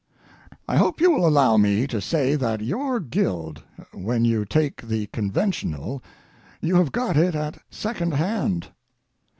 I hope you will allow me to say that your guild, when you take the conventional, you have got it at second hand.